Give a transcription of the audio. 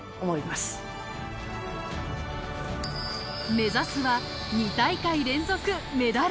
目指すは２大会連続メダル。